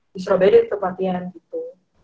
di surabaya dia tetap latihan gitu